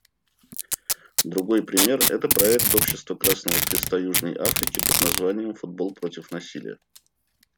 Другой пример — это проект общества Красного Креста Южной Африки под названием «Футбол против насилия».